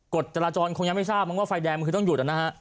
กฎจราจรคงยังไม่ทราบมั้งว่าไฟแดงมันคือต้องหยุดนะฮะ